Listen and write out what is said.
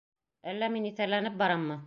Әллә мин иҫәрләнеп бараммы?